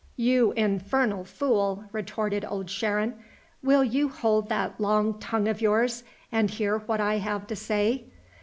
"You infernal fool!" retorted Old Sharon. "Will you hold that long tongue of yours, and hear what I have to say.